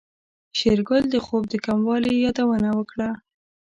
شېرګل د خوب د کموالي يادونه وکړه.